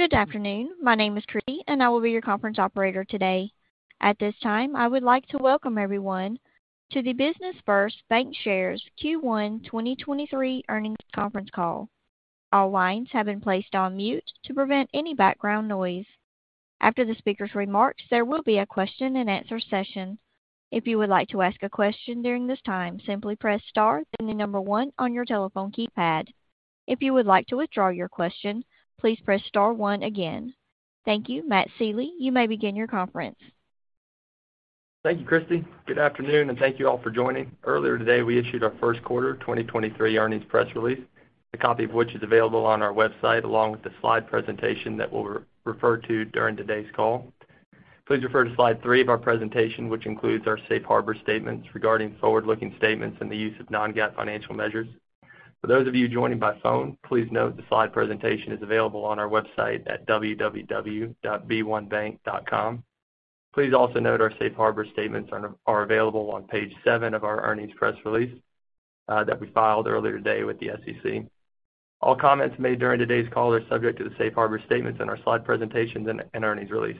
Good afternoon. My name is Christie. I will be your conference operator today. At this time, I would like to welcome everyone to the Business First Bancshares Q1 2023 Earnings Conference Call. All lines have been placed on mute to prevent any background noise. After the speaker's remarks, there will be a question-and-answer session. If you would like to ask a question during this time, simply press star then the number one on your telephone keypad. If you would like to withdraw your question, please press star one again. Thank you. Matt Seely, you may begin your conference. Thank you, Christie. Good afternoon, and thank you all for joining. Earlier today, we issued our first quarter 2023 earnings press release, a copy of which is available on our website, along with the slide presentation that we'll re-refer to during today's call. Please refer to slide three of our presentation, which includes our safe harbor statements regarding forward-looking statements and the use of non-GAAP financial measures. For those of you joining by phone, please note the slide presentation is available on our website at www.b1BANK.com. Please also note our safe harbor statements are available on page seven of our earnings press release that we filed earlier today with the SEC. All comments made during today's call are subject to the safe harbor statements in our slide presentations and earnings release.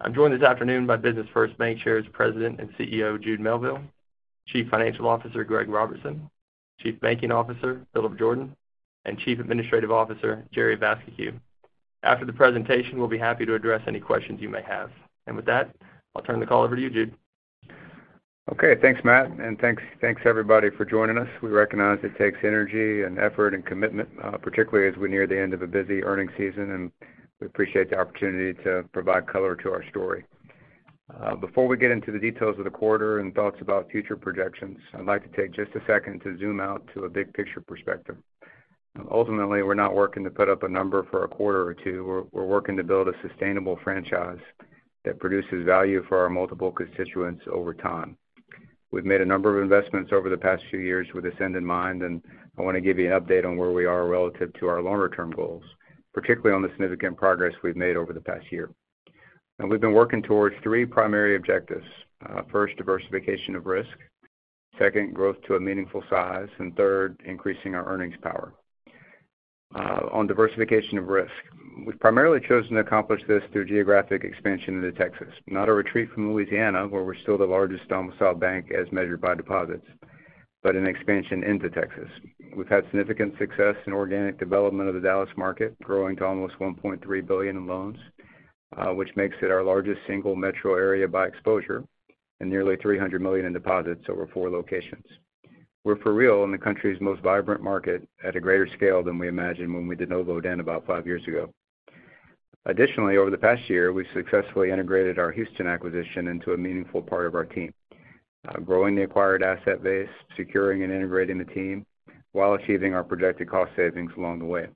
I'm joined this afternoon by Business First Bancshares President and CEO, Jude Melville; Chief Financial Officer, Greg Robertson; Chief Banking Officer, Philip Jordan; and Chief Administrative Officer, Jerry Vascocu. After the presentation, we'll be happy to address any questions you may have. With that, I'll turn the call over to you, Jude. Okay, thanks, Matt, thanks everybody for joining us. We recognize it takes energy and effort and commitment, particularly as we near the end of a busy earnings season, we appreciate the opportunity to provide color to our story. Before we get into the details of the quarter and thoughts about future projections, I'd like to take just a second to zoom out to a big picture perspective. Ultimately, we're not working to put up a number for a quarter or two. We're working to build a sustainable franchise that produces value for our multiple constituents over time. We've made a number of investments over the past few years with this end in mind, I want to give you an update on where we are relative to our longer-term goals, particularly on the significant progress we've made over the past year. We've been working towards three primary objectives. First, diversification of risk. Second, growth to a meaningful size. Third, increasing our earnings power. On diversification of risk, we've primarily chosen to accomplish this through geographic expansion into Texas. Not a retreat from Louisiana, where we're still the largest domiciled bank as measured by deposits, but an expansion into Texas. We've had significant success in organic development of the Dallas market, growing to almost $1.3 billion in loans, which makes it our largest single metro area by exposure and nearly $300 million in deposits over four locations. We're for real in the country's most vibrant market at a greater scale than we imagined when we did Novo Den about five years ago. Additionally, over the past year, we've successfully integrated our Houston acquisition into a meaningful part of our team, growing the acquired asset base, securing and integrating the team, while achieving our projected cost savings along the way.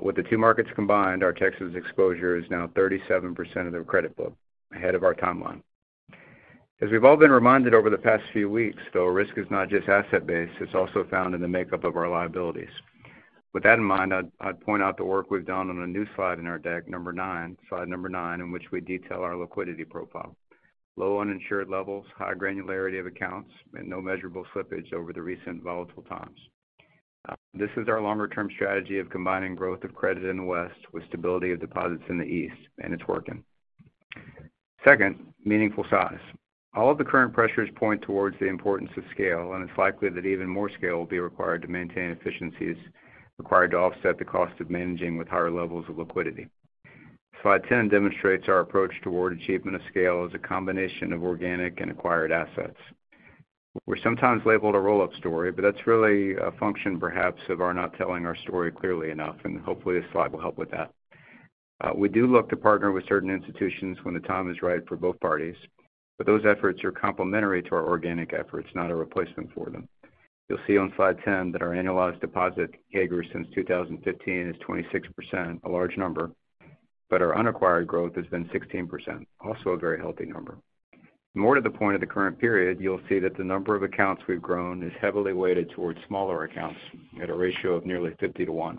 With the two markets combined, our Texas exposure is now 37% of the credit book, ahead of our timeline. As we've all been reminded over the past few weeks, though risk is not just asset-based, it's also found in the makeup of our liabilities. With that in mind, I'd point out the work we've done on a new slide in our deck, number nine, slide number nine, in which we detail our liquidity profile. Low uninsured levels, high granularity of accounts, and no measurable slippage over the recent volatile times. This is our longer-term strategy of combining growth of credit in the West with stability of deposits in the East, it's working. Second, meaningful size. All of the current pressures point towards the importance of scale, it's likely that even more scale will be required to maintain efficiencies required to offset the cost of managing with higher levels of liquidity. Slide 10 demonstrates our approach toward achievement of scale as a combination of organic and acquired assets. We're sometimes labeled a roll-up story, that's really a function perhaps of our not telling our story clearly enough, hopefully this slide will help with that. We do look to partner with certain institutions when the time is right for both parties, those efforts are complementary to our organic efforts, not a replacement for them. You'll see on slide 10 that our annualized deposit CAGR since 2015 is 26%, a large number, but our unacquired growth has been 16%, also a very healthy number. More to the point of the current period, you'll see that the number of accounts we've grown is heavily weighted towards smaller accounts at a ratio of nearly 50-one.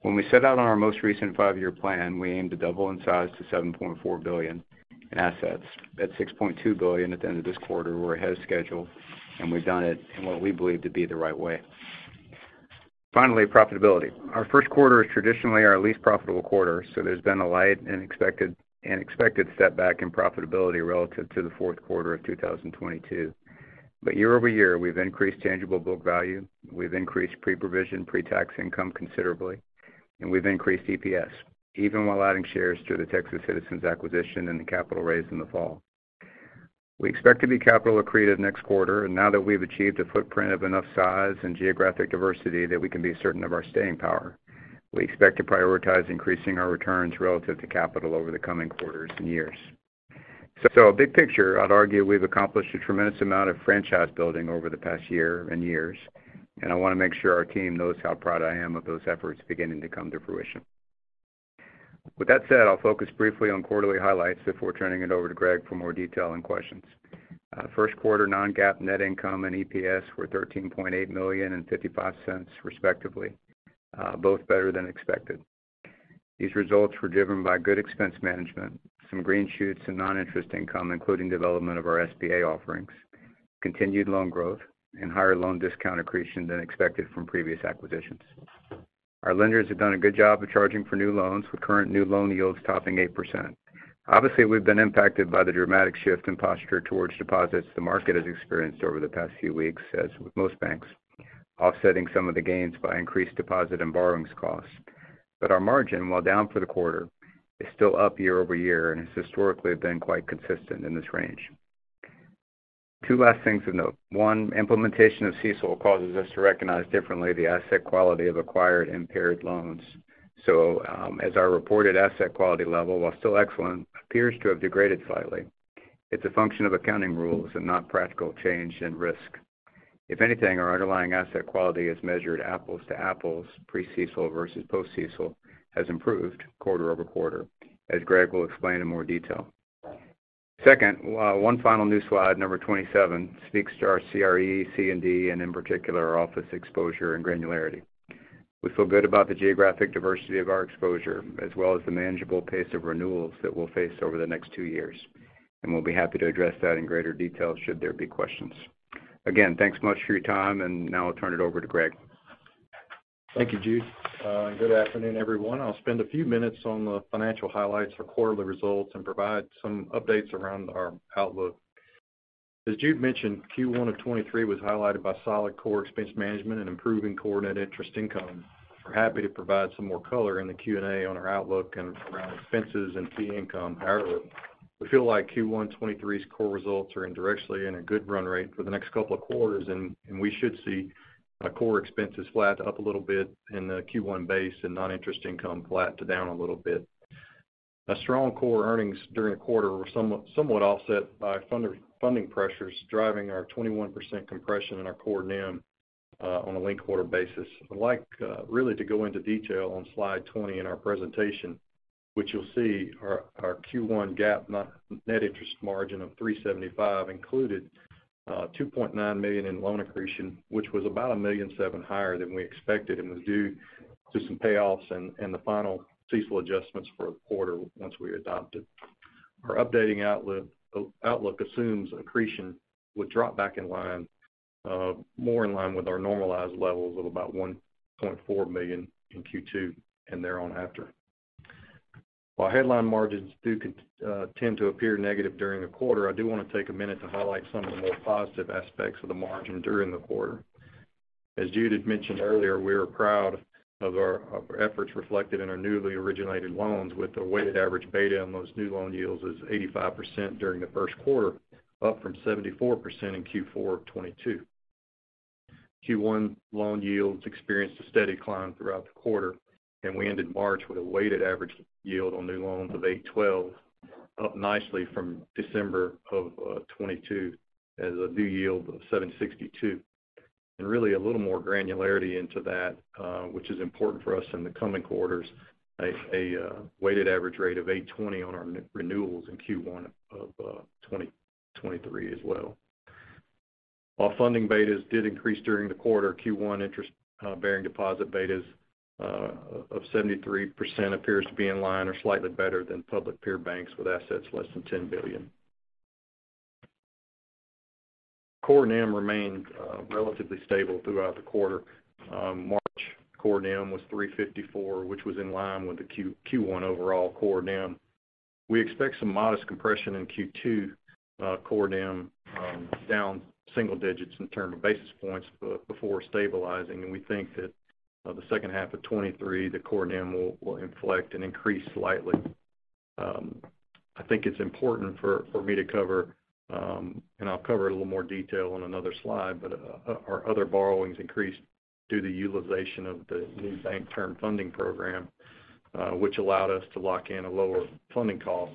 When we set out on our most recent five-year plan, we aimed to double in size to $6.4 billion in assets. At $6.2 billion at the end of this quarter, we're ahead of schedule, and we've done it in what we believe to be the right way. Finally, profitability. Our first quarter is traditionally our least profitable quarter, so there's been a light and expected setback in profitability relative to the fourth quarter of 2022. Year-over-year, we've increased tangible book value, we've increased pre-provision, pre-tax income considerably, and we've increased EPS, even while adding shares through the Texas Citizens acquisition and the capital raise in the fall. We expect to be capital accretive next quarter. Now that we've achieved a footprint of enough size and geographic diversity that we can be certain of our staying power, we expect to prioritize increasing our returns relative to capital over the coming quarters and years. A big picture, I'd argue we've accomplished a tremendous amount of franchise building over the past year and years, and I want to make sure our team knows how proud I am of those efforts beginning to come to fruition. With that said, I'll focus briefly on quarterly highlights before turning it over to Greg for more detail and questions. First quarter non-GAAP net income and EPS were $13.8 million and $0.55 respectively, both better than expected. These results were driven by good expense management, some green shoots and non-interest income, including development of our SBA offerings. Continued loan growth and higher loan discount accretion than expected from previous acquisitions. Our lenders have done a good job of charging for new loans, with current new loan yields topping 8%. Obviously, we've been impacted by the dramatic shift in posture towards deposits the market has experienced over the past few weeks, as with most banks, offsetting some of the gains by increased deposit and borrowings costs. Our margin, while down for the quarter, is still up year-over-year, and it's historically been quite consistent in this range. Two last things to note. Implementation of CECL causes us to recognize differently the asset quality of acquired impaired loans. As our reported asset quality level, while still excellent, appears to have degraded slightly, it's a function of accounting rules and not practical change in risk. If anything, our underlying asset quality is measured apples to apples, pre-CECL versus post-CECL has improved quarter-over-quarter, as Greg will explain in more detail. One final new slide, number 27, speaks to our CRE, C&D, and in particular, our office exposure and granularity. We feel good about the geographic diversity of our exposure, as well as the manageable pace of renewals that we'll face over the next two years, we'll be happy to address that in greater detail should there be questions. Thanks so much for your time, now I'll turn it over to Greg. Thank you, Jude. Good afternoon, everyone. I'll spend a few minutes on the financial highlights for quarterly results and provide some updates around our outlook. As Jude mentioned, Q1 of 2023 was highlighted by solid core expense management and improving core net interest income. We're happy to provide some more color in the Q&A on our outlook and around expenses and fee income. However, we feel like Q1 2023's core results are indirectly in a good run rate for the next couple of quarters, and we should see our core expenses flat to up a little bit in the Q1 base and non-interest income flat to down a little bit. Our strong core earnings during the quarter were somewhat offset by funder-funding pressures driving our 21% compression in our core NIM on a linked quarter basis. I'd like really to go into detail on slide 20 in our presentation, which you'll see our Q1 GAAP net interest margin of 3.75% included $2.9 million in loan accretion, which was about $1.7 million higher than we expected and was due to some payoffs and the final CECL adjustments for the quarter once we adopted. Our updating outlook assumes accretion would drop back in line more in line with our normalized levels of about $1.4 million in Q2 and thereon after. While headline margins do tend to appear negative during the quarter, I do want to take 1 minute to highlight some of the more positive aspects of the margin during the quarter. As Jude had mentioned earlier, we are proud of our efforts reflected in our newly originated loans with the weighted average beta on those new loan yields is 85% during the first quarter, up from 74% in Q4 of 2022. Q1 loan yields experienced a steady climb throughout the quarter, we ended March with a weighted average yield on new loans of 8.12, up nicely from December of 2022 as a new yield of 7.62. Really a little more granularity into that, which is important for us in the coming quarters, a weighted average rate of 8.20 on our renewals in Q1 of 2023 as well. Our funding betas did increase during the quarter. Q1 interest bearing deposit betas of 73% appears to be in line or slightly better than public peer banks with assets less than $10 billion. Core NIM remained relatively stable throughout the quarter. March core NIM was 3.54%, which was in line with the Q1 overall core NIM. We expect some modest compression in Q2 core NIM, down single digits in term of basis points before stabilizing, and we think that the second half of 2023, the core NIM will inflect and increase slightly. I think it's important for me to cover, and I'll cover a little more detail on another slide, but our other borrowings increased due to utilization of the new Bank Term Funding Program, which allowed us to lock in a lower funding cost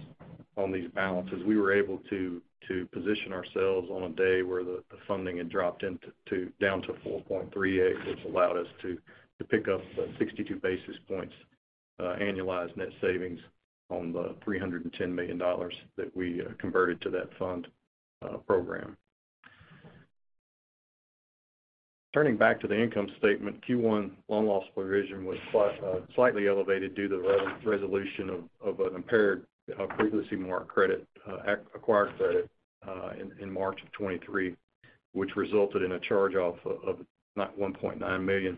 on these balances. We were able to position ourselves on a day where the funding had dropped down to 4.38, which allowed us to pick up 62 basis points annualized net savings on the $310 million that we converted to that fund program. Turning back to the income statement, Q1 loan loss provision was slightly elevated due to the resolution of an impaired, previously marked credit, acquired credit, in March of 2023, which resulted in a charge-off of $1.9 million.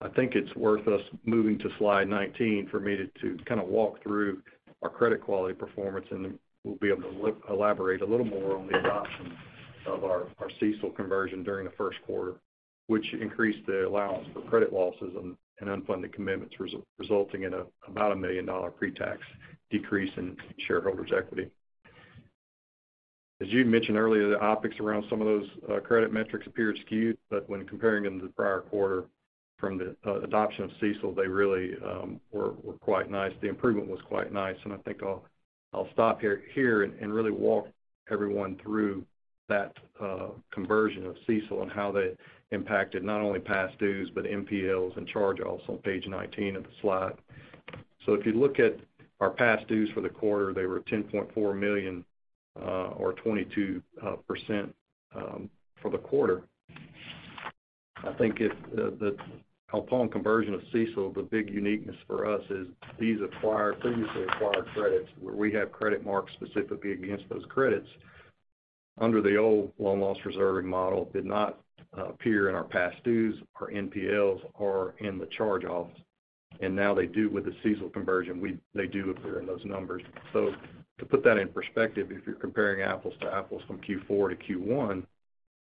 I think it's worth us moving to slide 19 for me to kind of walk through our credit quality performance, and we'll be able to elaborate a little more on the adoption of our CECL conversion during the first quarter, which increased the allowance for credit losses and unfunded commitments resulting in about a $1 million pre-tax decrease in shareholders' equity. As Jude mentioned earlier, the optics around some of those credit metrics appear skewed, but when comparing them to the prior quarter from the adoption of CECL, they really were quite nice. The improvement was quite nice, and I think I'll stop here and really walk everyone through that conversion of CECL and how that impacted not only past dues but NPLs and charge-offs on page 19 of the slide. If you look at our past dues for the quarter, they were $10.4 million or 22% for the quarter. I think if upon conversion of CECL, the big uniqueness for us is these acquired, previously acquired credits, where we have credit marks specifically against those credits under the old loan loss reserving model, did not appear in our past dues or NPLs or in the charge-offs. Now they do with the CECL conversion. They do appear in those numbers. To put that in perspective, if you're comparing apples to apples from Q4-Q1,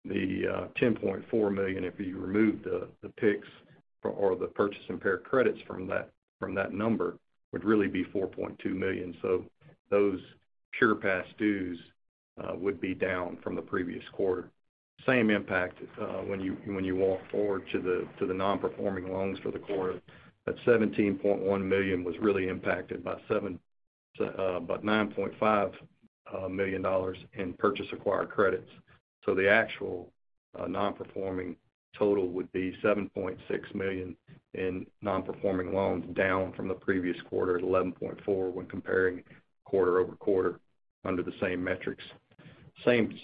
the $10.4 million, if you remove the PICs or the purchase impaired credits from that number, would really be $4.2 million. Those pure past dues would be down from the previous quarter. Same impact, when you walk forward to the nonperforming loans for the quarter. That $17.1 million was really impacted by $9.5 million in purchase acquired credits. The actual nonperforming total would be $7.6 million in nonperforming loans, down from the previous quarter at $11.4 million when comparing quarter-over-quarter under the same metrics. Same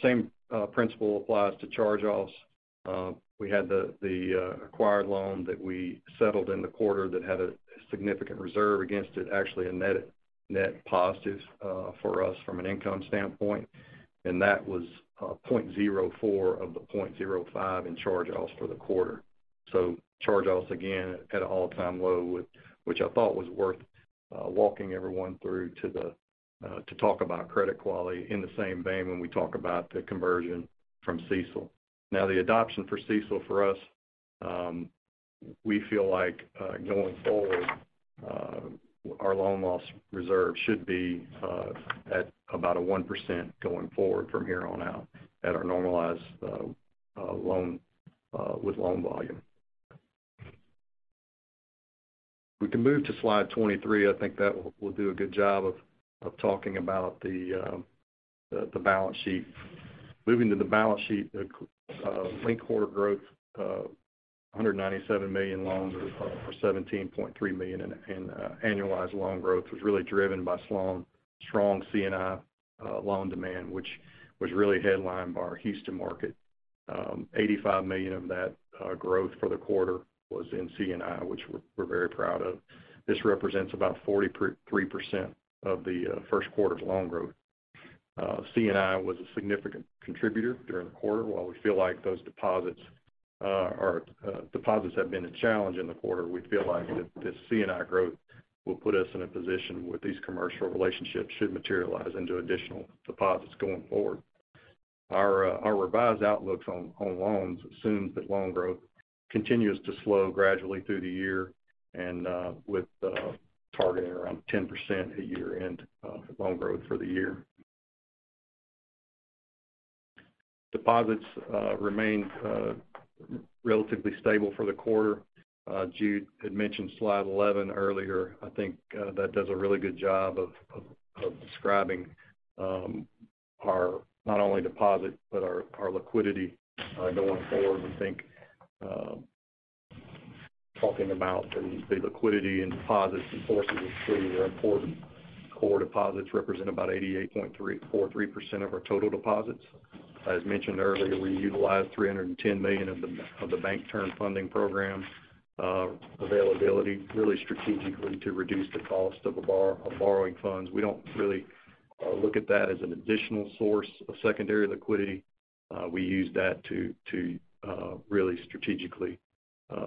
principle applies to charge-offs. We had the acquired loan that we settled in the quarter that had a significant reserve against it, actually a net positive for us from an income standpoint. That was 0.04 of the 0.05 in charge-offs for the quarter. Charge-offs, again, at an all-time low, which I thought was worth walking everyone through to talk about credit quality in the same vein when we talk about the conversion from CECL. The adoption for CECL for us, we feel like going forward, our loan loss reserve should be at about a 1% going forward from here on out at our normalized loan with loan volume. We can move to slide 23. I think that will do a good job of talking about the balance sheet. Moving to the balance sheet, linked quarter growth of $197 million loans or $17.3 million in annualized loan growth was really driven by strong C&I loan demand, which was really headlined by our Houston market. $85 million of that growth for the quarter was in C&I, which we're very proud of. This represents about 43% of the first quarter's loan growth. C&I was a significant contributor during the quarter. While we feel like those deposits are deposits have been a challenge in the quarter, we feel like the C&I growth will put us in a position where these commercial relationships should materialize into additional deposits going forward. Our revised outlooks on loans assumes that loan growth continues to slow gradually through the year and with targeting around 10% at year-end loan growth for the year. Deposits remained relatively stable for the quarter. Jude had mentioned slide 11 earlier. I think that does a really good job of describing our not only deposit, but our liquidity going forward. We think talking about the liquidity and deposits and sources of liquidity are important. Core deposits represent about 88.43% of our total deposits. As mentioned earlier, we utilized $310 million of the Bank Term Funding Program availability really strategically to reduce the cost of borrowing funds. We don't really look at that as an additional source of secondary liquidity. We use that really strategically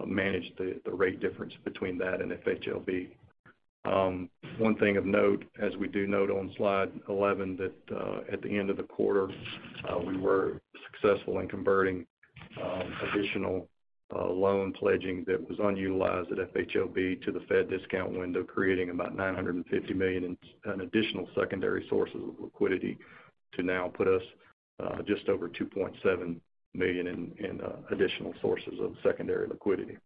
manage the rate difference between that and FHLB. One thing of note, as we do note on slide 11, that at the end of the quarter, we were successful in converting additional loan pledging that was unutilized at FHLB to the Fed discount window, creating about $950 million in additional secondary sources of liquidity to now put us just over $2.7 million in additional sources of secondary liquidity.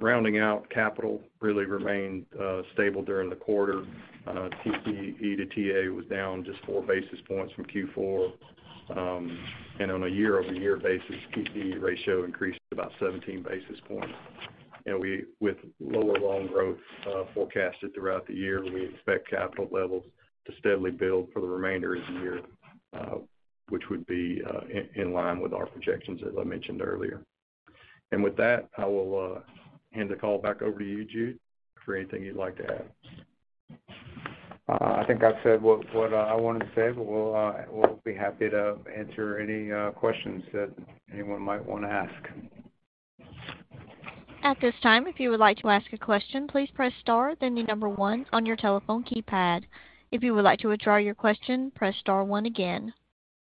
Rounding out capital really remained stable during the quarter. TCE to TAA was down just four basis points from Q4. On a year-over-year basis, TCE ratio increased about 17 basis points. With lower loan growth forecasted throughout the year, we expect capital levels to steadily build for the remainder of the year, which would be in line with our projections, as I mentioned earlier. With that, I will hand the call back over to you, Jude, for anything you'd like to add. I think I've said what I wanted to say, but we'll be happy to answer any questions that anyone might wanna ask. At this time, if you would like to ask a question, please press star, then the number one on your telephone keypad. If you would like to withdraw your question, press star one again.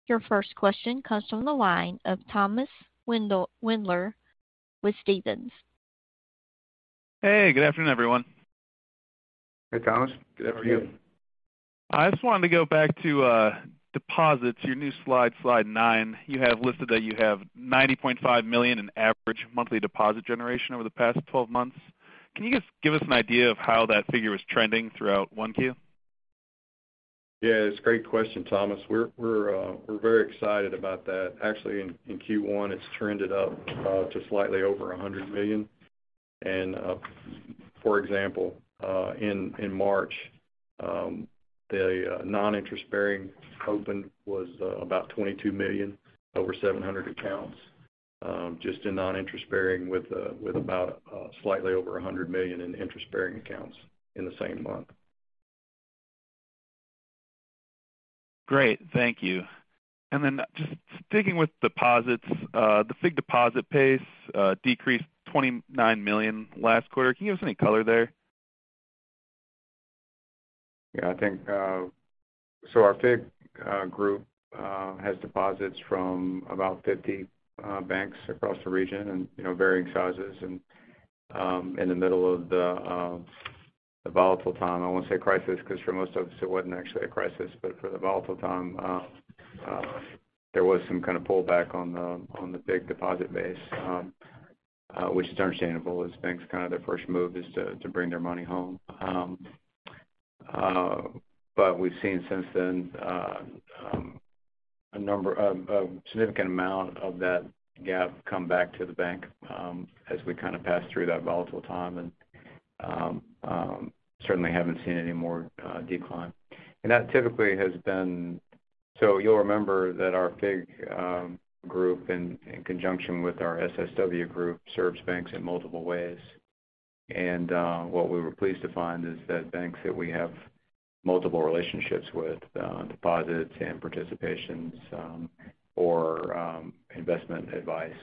Your first question comes from the line of Thomas Wendler with Stephens. Hey, good afternoon, everyone. Hey, Thomas. Good afternoon. I just wanted to go back to, deposits, your new slide nine. You have listed that you have $90.5 million in average monthly deposit generation over the past 12 months. Can you just give us an idea of how that figure is trending throughout 1Q? Yeah, it's a great question, Thomas. We're very excited about that. Actually, in Q1, it's trended up to slightly over $100 million. For example, in March, the non-interest bearing opened was about $22 million, over 700 accounts, just in non-interest bearing with about slightly over $100 million in interest-bearing accounts in the same month. Great. Thank you. Just sticking with deposits, the FIG deposit pace, decreased $29 million last quarter. Can you give us any color there? I think, so our FIG group has deposits from about 50 banks across the region and, you know, varying sizes and, in the middle of the volatile time, I won't say crisis because for most of us it wasn't actually a crisis. For the volatile time, there was some kind of pullback on the FIG deposit base, which is understandable as banks kind of their first move is to bring their money home. We've seen since then, a number of significant amount of that gap come back to the bank, as we kind of passed through that volatile time and, certainly haven't seen any more decline. That typically has been... You'll remember that our FIG group in conjunction with our SSW group serves banks in multiple ways. What we were pleased to find is that banks that we have multiple relationships with deposits and participations or investment advice,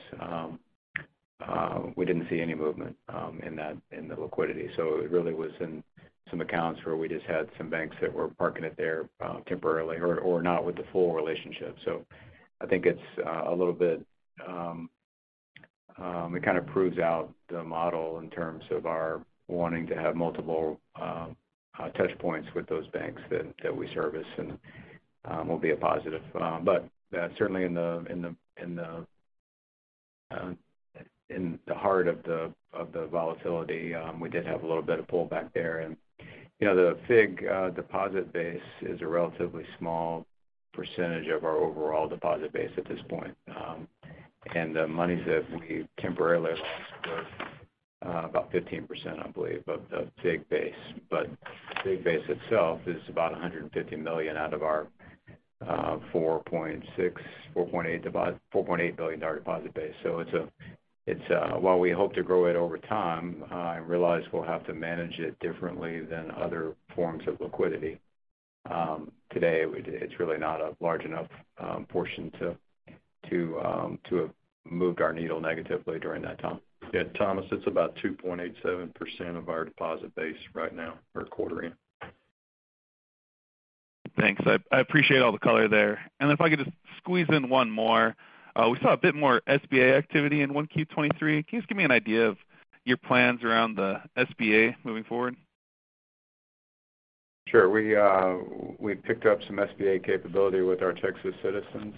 we didn't see any movement in that, in the liquidity. It really was in some accounts where we just had some banks that were parking it there temporarily or not with the full relationship. I think it's a little bit, it kind of proves out the model in terms of our wanting to have multiple touch points with those banks that we service and will be a positive. But certainly in the heart of the volatility, we did have a little bit of pullback there. You know, the FIG deposit base is a relatively small percentage of our overall deposit base at this point. The monies that we temporarily lost were about 15%, I believe, of the FIG base. The FIG base itself is about $150 million out of our $4.8 billion deposit base. It's, it's while we hope to grow it over time, I realize we'll have to manage it differently than other forms of liquidity. Today, it's really not a large enough portion to have moved our needle negatively during that time. Yeah, Thomas, it's about 2.87% of our deposit base right now or quarter end. Thanks. I appreciate all the color there. If I could just squeeze in one more. We saw a bit more SBA activity in 1Q 2023. Can you just give me an idea of your plans around the SBA moving forward? Sure. We picked up some SBA capability with our Texas Citizens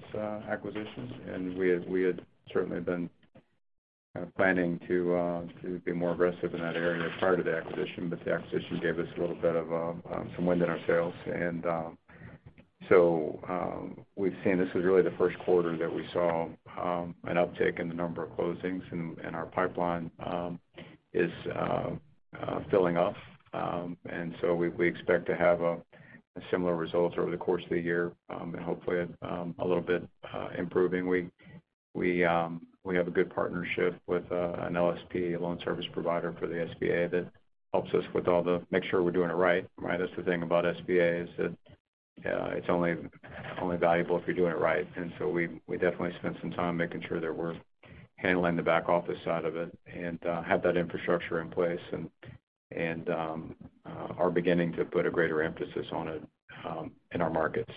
acquisition, and we had certainly been kind of planning to be more aggressive in that area prior to the acquisition. The acquisition gave us a little bit of some wind in our sails. So we've seen this is really the first quarter that we saw an uptick in the number of closings and our pipeline is filling up. So we expect to have a similar result over the course of the year and hopefully a little bit improving. We have a good partnership with an LSP, a loan service provider for the SBA that helps us with all the make sure we're doing it right. Right. That's the thing about SBA is that, it's only valuable if you're doing it right. We, we definitely spent some time making sure that we're handling the back office side of it and, have that infrastructure in place and, are beginning to put a greater emphasis on it, in our markets.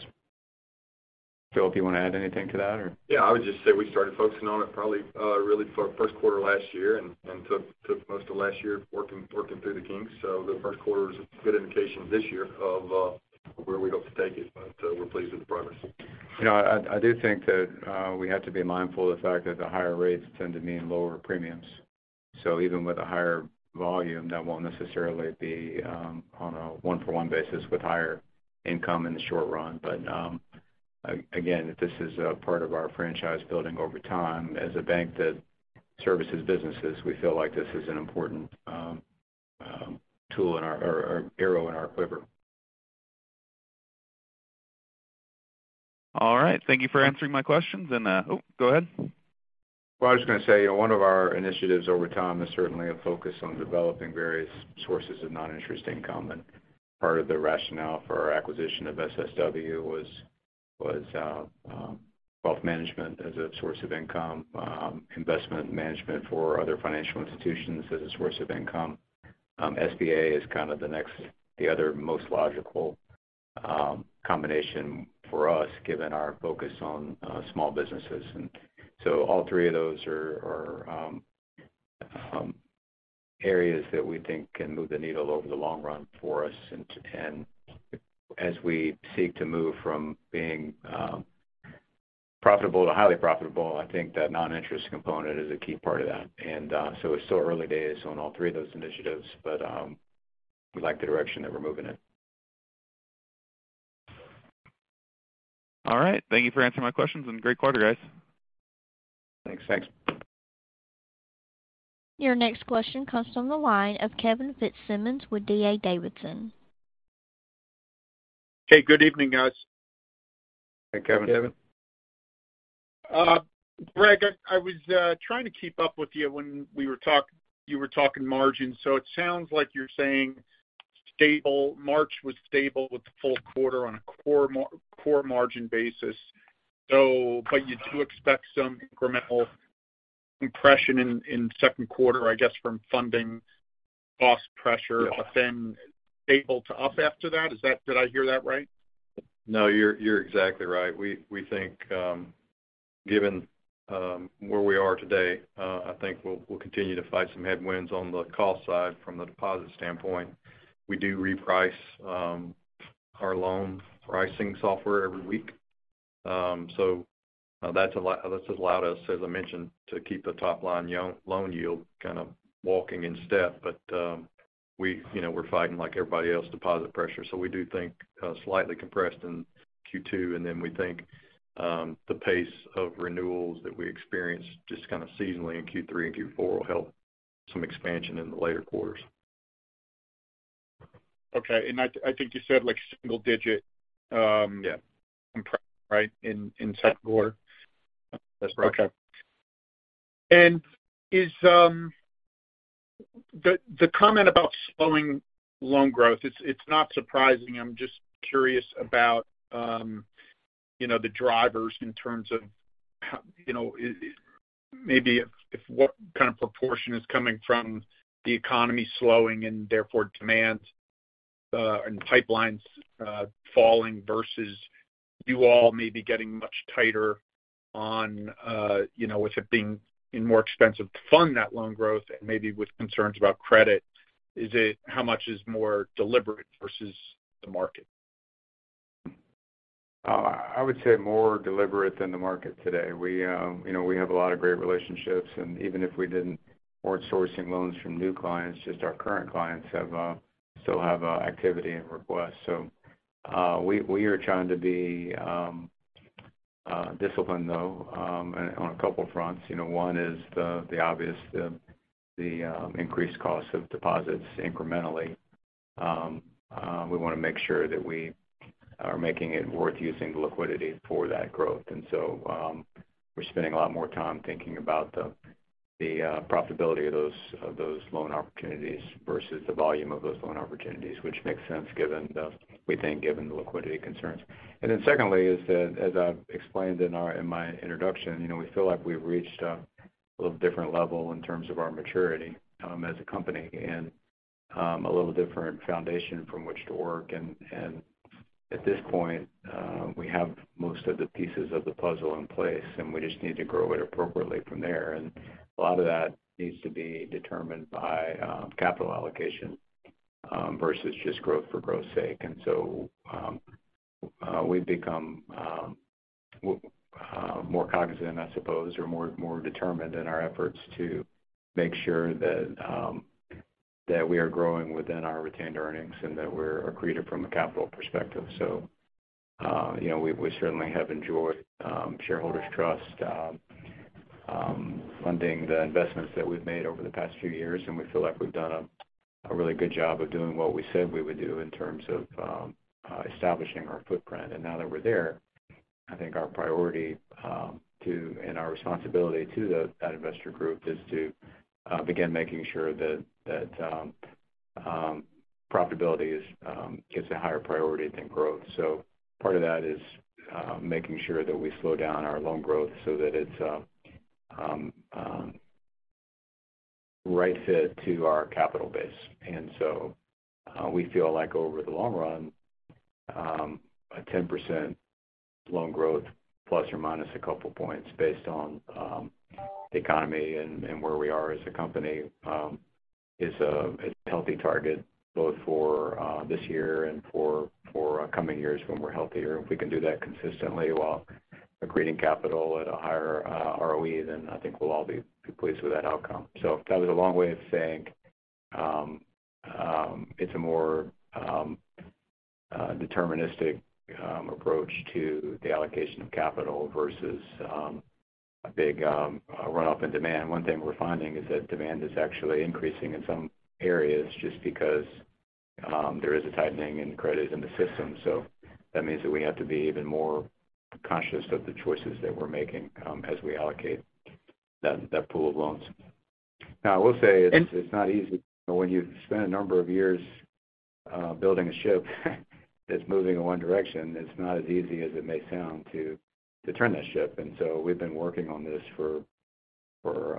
Phil, do you want to add anything to that or? Yeah, I would just say we started focusing on it probably, really for first quarter last year and took most of last year working through the kinks. The first quarter is a good indication this year of where we hope to take it, but we're pleased with the progress. You know, I do think that we have to be mindful of the fact that the higher rates tend to mean lower premiums. Even with a higher volume, that won't necessarily be on a one-for-one basis with higher income in the short run. Again, this is a part of our franchise building over time. As a bank that services businesses, we feel like this is an important tool or arrow in our quiver. All right. Thank you for answering my questions. Oh, go ahead. Well, I was just gonna say, you know, one of our initiatives over time is certainly a focus on developing various sources of non-interest income. Part of the rationale for our acquisition of SSW was wealth management as a source of income, investment management for other financial institutions as a source of income. SBA is kind of the next, the other most logical combination for us, given our focus on small businesses. All three of those are areas that we think can move the needle over the long run for us. As we seek to move from being profitable to highly profitable, I think that non-interest component is a key part of that. it's still early days on all three of those initiatives, but, we like the direction that we're moving in. All right. Thank you for answering my questions and great quarter guys. Thanks. Your next question comes from the line of Kevin Fitzsimmons with D.A. Davidson. Okay, good evening guys. Hey, Kevin. Kevin. Greg, I was trying to keep up with you when you were talking margins. It sounds like you're saying stable March was stable with the full quarter on a core margin basis. You do expect some incremental compression in second quarter, I guess, from funding cost pressure... Yeah. stable to up after that. Did I hear that right? No, you're exactly right. We think, given where we are today, I think we'll continue to fight some headwinds on the cost side from the deposit standpoint. We do reprice our loan pricing software every week. That's allowed us, as I mentioned, to keep the top line loan yield kind of walking in step. We, you know, we're fighting like everybody else, deposit pressure. We do think, slightly compressed in Q2, and then we think the pace of renewals that we experience just kind of seasonally in Q3 and Q4 will help some expansion in the later quarters. Okay. I think you said like single digit. Yeah. Compression, right? In second quarter. That's correct. Okay. The comment about slowing loan growth, it's not surprising. I'm just curious about, you know, the drivers in terms of how, you know, maybe if what kind of proportion is coming from the economy slowing and therefore demand and pipelines falling versus you all may be getting much tighter on, you know, with it being more expensive to fund that loan growth and maybe with concerns about credit, is it how much is more deliberate versus the market? I would say more deliberate than the market today. We, you know, we have a lot of great relationships. Even if we didn't weren't sourcing loans from new clients, just our current clients have still have activity and requests. We are trying to be disciplined, though, on a couple of fronts. You know, one is the obvious, the increased cost of deposits incrementally. We want to make sure that we are making it worth using the liquidity for that growth. We're spending a lot more time thinking about the profitability of those loan opportunities versus the volume of those loan opportunities, which makes sense we think, given the liquidity concerns. Secondly is that, as I've explained in my introduction, you know, we feel like we've reached a different level in terms of our maturity as a company and a little different foundation from which to work. At this point, we have most of the pieces of the puzzle in place, and we just need to grow it appropriately from there. A lot of that needs to be determined by capital allocation versus just growth for growth's sake. We've become more cognizant, I suppose, or more determined in our efforts to make sure that we are growing within our retained earnings and that we're accretive from a capital perspective. You know, we certainly have enjoyed shareholders' trust, funding the investments that we've made over the past few years. We feel like we've done a really good job of doing what we said we would do in terms of establishing our footprint. Now that we're there, I think our priority and our responsibility to that investor group is to begin making sure that profitability is gives a higher priority than growth. Part of that is making sure that we slow down our loan growth so that it's right fit to our capital base. We feel like over the long run, a 10% loan growth ± a couple of points based on the economy and where we are as a company, is a healthy target both for this year and for coming years when we're healthier. If we can do that consistently while accreting capital at a higher ROE, then I think we'll all be pleased with that outcome. That was a long way of saying, it's a more deterministic approach to the allocation of capital versus a big run-up in demand. One thing we're finding is that demand is actually increasing in some areas just because there is a tightening in credit in the system. That means that we have to be even more conscious of the choices that we're making, as we allocate that pool of loans. Now, I will say it's not easy when you've spent a number of years, building a ship that's moving in one direction. It's not as easy as it may sound to turn that ship. We've been working on this for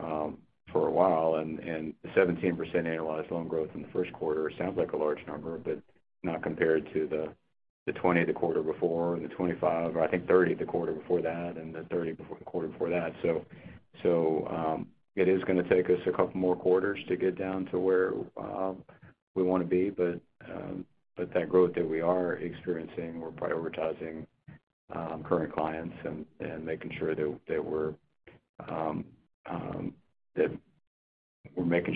a while. 17% annualized loan growth in the first quarter sounds like a large number, but not compared to the 20 the quarter before, and the 25, or I think 30 the quarter before that, and the 30 before the quarter before that. It is gonna take us a couple more quarters to get down to where we wanna be. That growth that we are experiencing, we're prioritizing, current clients and making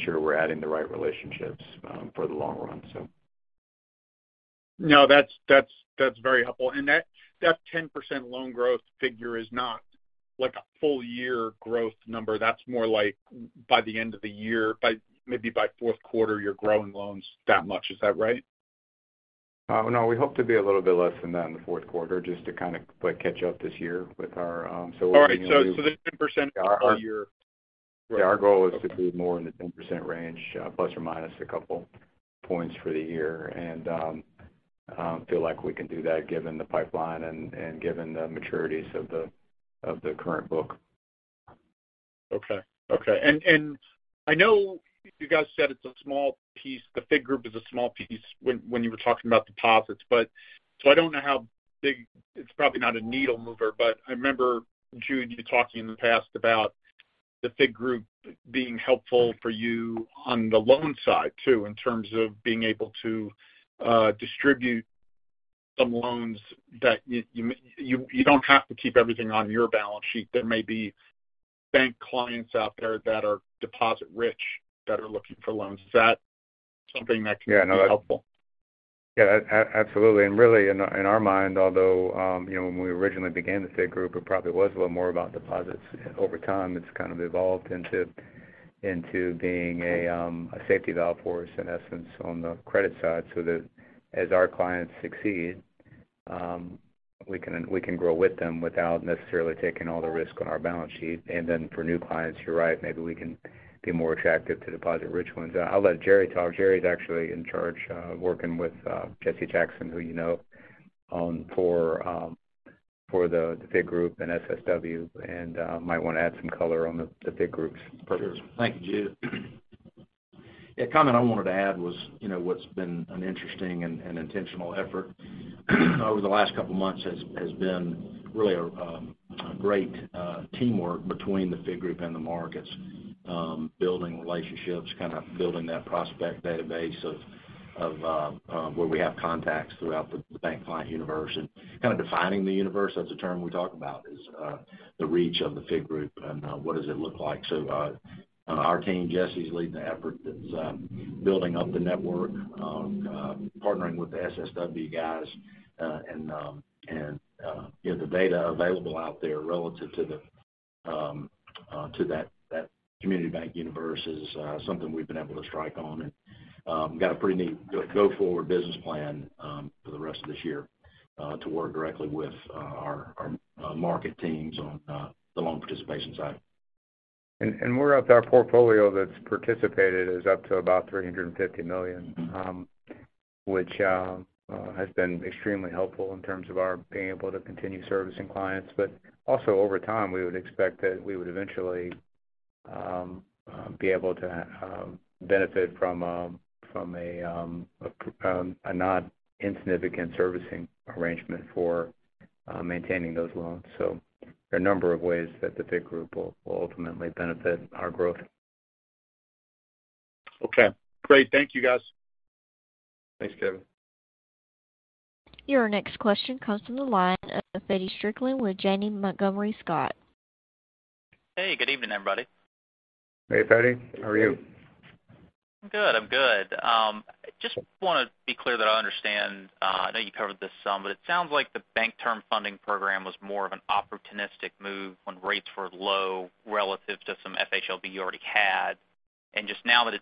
sure we're adding the right relationships, for the long run. No, that's very helpful. That 10% loan growth figure is not like a full year growth number. That's more like by the end of the year, by maybe by fourth quarter, you're growing loans that much. Is that right? No, we hope to be a little bit less than that in the fourth quarter just to kind of like catch up this year with our. All right. The 10% all year. Our goal is to be more in the 10% range, plus or minus a couple points for the year. I feel like we can do that given the pipeline and given the maturities of the current book. Okay. Okay. I know you guys said it's a small piece, the FIG group is a small piece when you were talking about deposits. I don't know how big, it's probably not a needle mover, but I remember, Jude, you talking in the past about the FIG group being helpful for you on the loan side too, in terms of being able to distribute some loans that you don't have to keep everything on your balance sheet. There may be bank clients out there that are deposit rich, that are looking for loans. Is that something that can be helpful? Yeah, absolutely. Really in our mind, although, you know, when we originally began the FIG group, it probably was a little more about deposits. Over time, it's kind of evolved into being a safety valve for us, in essence, on the credit side, so that as our clients succeed, we can grow with them without necessarily taking all the risk on our balance sheet. Then for new clients, you're right, maybe we can be more attractive to deposit rich ones. I'll let Jerry talk. Jerry's actually in charge of working with Jesse Jackson, who you know, for the FIG group and SSW, might want to add some color on the FIG group's purpose. Sure. Thank you, Jude. A comment I wanted to add was, you know, what's been an interesting and intentional effort over the last couple months has been really a great teamwork between the FIG group and the markets, building relationships, kind of building that prospect database of where we have contacts throughout the bank client universe and kind of defining the universe. That's a term we talk about is the reach of the FIG group and what does it look like. Our team, Jesse's leading the effort that's building up the network, partnering with the SSW guys, and the data available out there relative to the community bank universe is something we've been able to strike on. Got a pretty neat go forward business plan for the rest of this year to work directly with our market teams on the loan participation side. Our portfolio that's participated is up to about $350 million, which has been extremely helpful in terms of our being able to continue servicing clients. Also over time, we would expect that we would eventually be able to benefit from from a not insignificant servicing arrangement for maintaining those loans. There are a number of ways that the FIG group will ultimately benefit our growth. Okay, great. Thank you, guys. Thanks, Kevin. Your next question comes from the line of Feddie Strickland with Janney Montgomery Scott. Hey, good evening, everybody. Hey, Feddie. How are you? I'm good. I'm good. just want to be clear that I understand, I know you covered this some, but it sounds like the Bank Term Funding Program was more of an opportunistic move when rates were low relative to some FHLB you already had. Just now that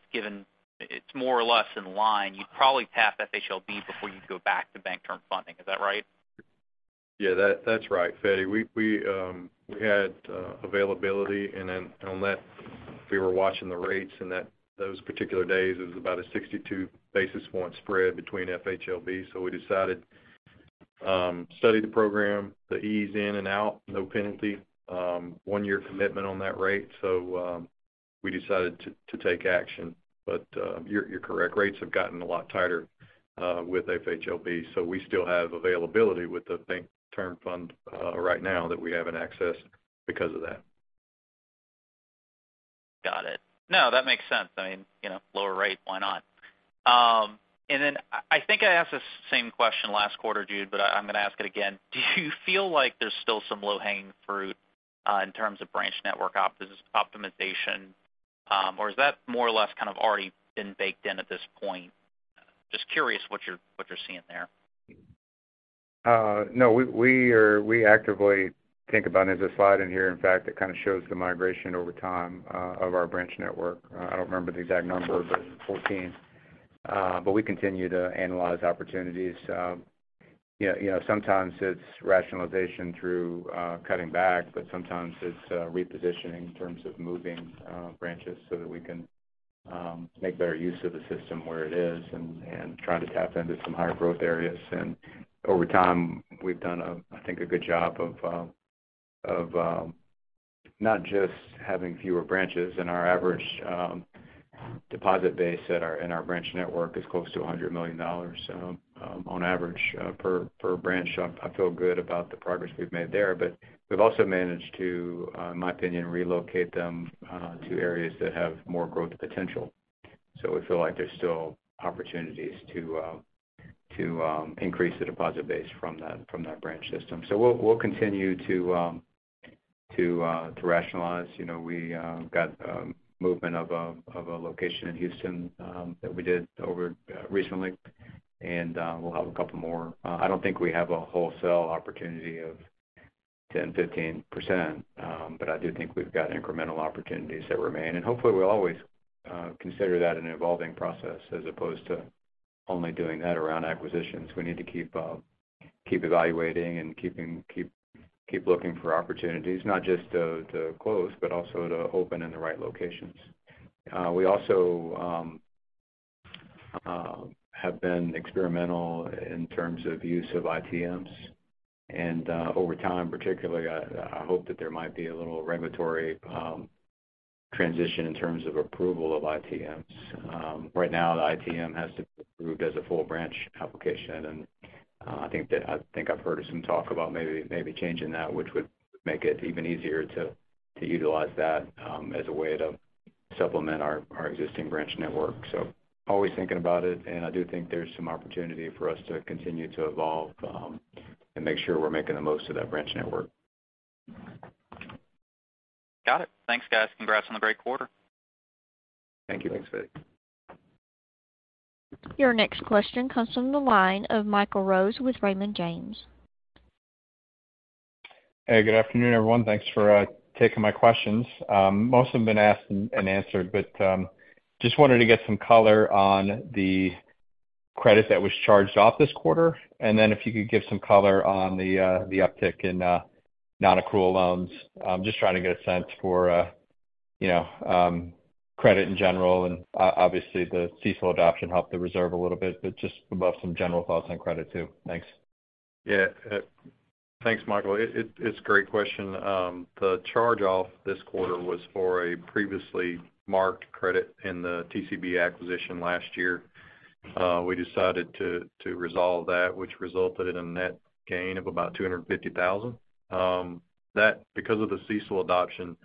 it's more or less in line, you'd probably tap FHLB before you go back to Bank Term Funding. Is that right? Yeah, that's right, Feddie. We had availability. On that, we were watching the rates and that those particular days, it was about a 62 basis point spread between FHLB. We decided, study the program, the ease in and out, no penalty, 1 year commitment on that rate. We decided to take action. You're correct. Rates have gotten a lot tighter with FHLB. We still have availability with the Bank Term Fund right now that we haven't accessed because of that. Got it. No, that makes sense. I mean, you know, lower rate, why not? Then I think I asked this same question last quarter, Jude, but I'm going to ask it again. Do you feel like there's still some low hanging fruit in terms of branch network opt-optimization? Or has that more or less kind of already been baked in at this point? Just curious what you're seeing there. No, we actively think about it. There's a slide in here, in fact, that kind of shows the migration over time, of our branch network. I don't remember the exact number, but 14. We continue to analyze opportunities. You know, you know, sometimes it's rationalization through cutting back, but sometimes it's repositioning in terms of moving branches so that we can make better use of the system where it is and trying to tap into some higher growth areas. Over time, we've done, I think, a good job of not just having fewer branches and our average deposit base in our branch network is close to $100 million on average per branch. I feel good about the progress we've made there. We've also managed to, in my opinion, relocate them to areas that have more growth potential. So we feel like there's still opportunities to to increase the deposit base from that branch system. We'll, we'll continue to to rationalize. You know, we got movement of a of a location in Houston that we did over recently, and we'll have a couple more. I don't think we have a wholesale opportunity of 10%, 15%, but I do think we've got incremental opportunities that remain. Hopefully we always consider that an evolving process as opposed to only doing that around acquisitions. We need to keep evaluating and keep looking for opportunities, not just to close, but also to open in the right locations. We also have been experimental in terms of use of ITMs. Over time, particularly, I hope that there might be a little regulatory transition in terms of approval of ITMs. Right now, the ITM has to be approved as a full branch application. I've heard some talk about maybe changing that, which would make it even easier to utilize that as a way to supplement our existing branch network. Always thinking about it, and I do think there's some opportunity for us to continue to evolve and make sure we're making the most of that branch network. Got it. Thanks, guys. Congrats on the great quarter. Thank you. Thanks, Fed. Your next question comes from the line of Michael Rose with Raymond James. Hey, good afternoon, everyone. Thanks for taking my questions. Most have been asked and answered, just wanted to get some color on the credit that was charged off this quarter. If you could give some color on the uptick in nonaccrual loans. I'm just trying to get a sense for, you know, credit in general, and obviously, the CECL adoption helped the reserve a little bit, but just would love some general thoughts on credit, too. Thanks. Yeah. Thanks, Michael. It's a great question. The charge-off this quarter was for a previously marked credit in the TCB acquisition last year. We decided to resolve that, which resulted in a net gain of about $250,000. That because of the CECL adoption,